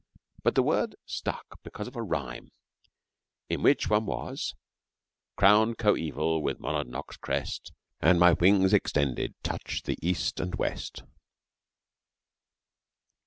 But the word stuck because of a rhyme, in which one was ... crowned coeval With Monadnock's crest, And my wings extended Touch the East and West.